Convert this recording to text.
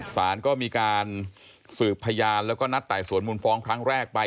สารก็มีการสืบพยานแล้วก็นัดไต่สวนมูลฟ้องครั้งแรกไป